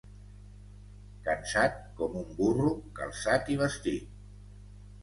Cansat com un burro calçat i vestit.